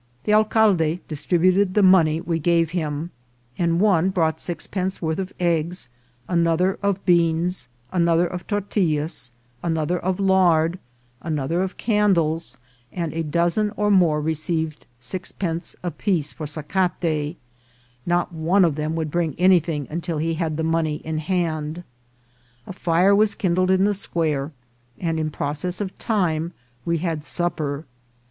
The alcalde distributed the money we gave him, and one brought sixpence worth of eggs, another of beans, another of tortillas, another of lard, an other of candles, and a dozen or more received sixpence apiece for sacate ; not one of them would bring any thing until he had the money in hand. A fire was kin dled in the square, and in process of time we had sup per.